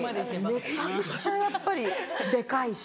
めちゃくちゃやっぱりデカいし。